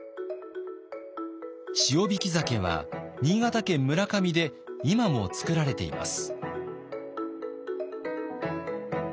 塩引き鮭は新潟県村上で今も作られています。